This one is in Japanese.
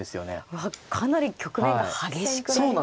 うわっかなり局面が激しくなりますね。